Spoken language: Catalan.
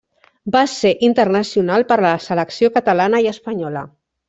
Va ser internacional per la selecció catalana i espanyola.